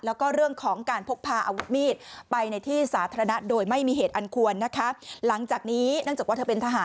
แล้วก็ต้องต้องเห็นหน้าฆ่าตากันทุกวันนะเนอะ